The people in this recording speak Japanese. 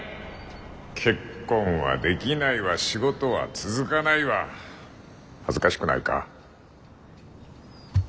結婚はできないわ仕事は続かないわ恥ずかしくないか？